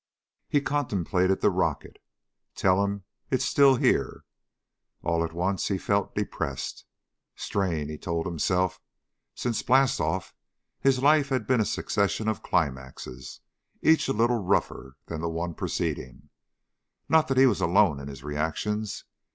He contemplated the rocket. "Tell 'em it's still here." All at once he felt depressed. Strain, he told himself. Since blast off his life had been a succession of climaxes, each a little rougher than the one preceding. Not that he was alone in his reactions.